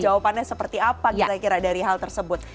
jawabannya seperti apa kita kira dari hal tersebut